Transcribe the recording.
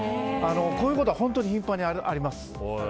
こういうことは頻繁にあります。